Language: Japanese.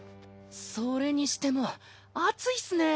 それにしても暑いっすね。